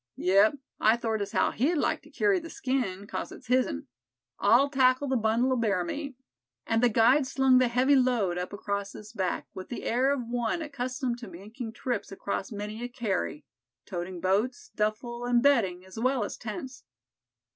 "Yep, I thort as how he'd like to kerry the skin, 'cause it's his'n; I'll tackle the bundle o' bear meat," and the guide slung the heavy load up across his back with the air of one accustomed to making trips across many a carry, toting boats, duffle and bedding, as well as tents.